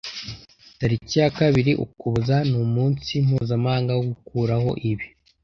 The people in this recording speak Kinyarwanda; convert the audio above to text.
Tariki ya kabiri Ukuboza ni umunsi mpuzamahanga wo gukuraho ibi